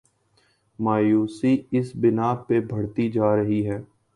مایوسی اس بنا پہ بڑھتی جا رہی ہے۔